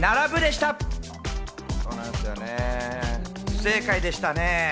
不正解でしたね。